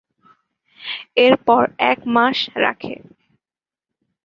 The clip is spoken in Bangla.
এরপর একমাস রাখে।